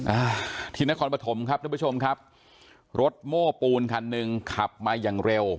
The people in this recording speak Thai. อ่าที่นครปฐมครับทุกผู้ชมครับรถโม้ปูนคันหนึ่งขับมาอย่างเร็ว